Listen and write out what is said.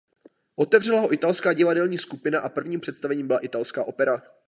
Otevřela ho italská divadelní skupina a prvním představením byla italská opera.